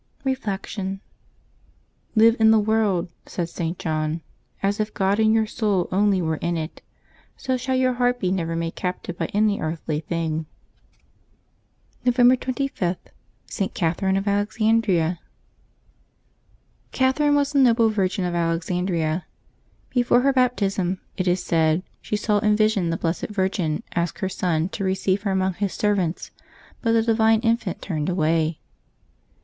Reflection. —" Live in the world," said .St. John, " as if God and your soul only were in it ; so shall your heart be never made captive by any earthly thing.'' 366 LIVES OF THE SAINTS [November 26 November 25.— ST. CATHERINE OF ALEX ANDRIA. GATHERixE was a noble virgin of Alexandria. Before her Baptism, it is said, she saw in vision the Blessed Virgin ask her Son to receive her among His servants, but the Divine Infant turned slwslj.